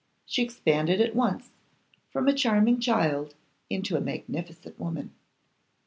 She expanded at once from a charming child into a magnificent woman.